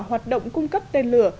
hoạt động cung cấp tên lửa